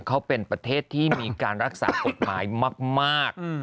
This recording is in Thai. เขาเป็นประเทศที่มีการรักษากฎหมายมาก